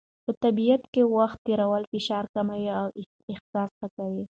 په طبیعت کې وخت تېرول فشار کموي او احساس ښه کوي.